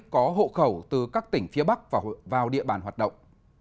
có hộ khẩu từ các tỉnh phía bắc vào địa bàn hoạt động